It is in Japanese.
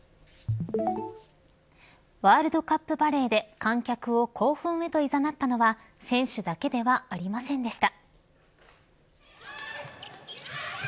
ワールドカップバレーで観客を興奮へいざなったのは選手だけではありませんでした。